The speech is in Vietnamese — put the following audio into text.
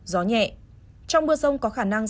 gió nhẹ trong mưa rông có khả năng